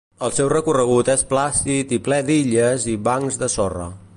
El seu recorregut és plàcid i ple d'illes i bancs de sorra.